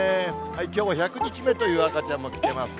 きょう１００日目という赤ちゃんも来てますね。